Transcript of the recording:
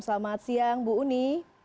selamat siang bu uni